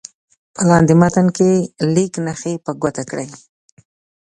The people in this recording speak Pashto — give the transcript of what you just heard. په لاندې متن کې لیک نښې په ګوته کړئ.